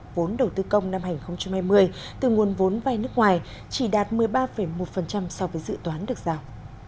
vốn đầu tư công năm hai nghìn hai mươi từ nguồn vốn vai nước ngoài chỉ đạt một mươi ba một so với dự toán được rào